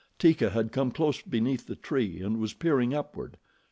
Teeka had come close beneath the tree and was peering upward.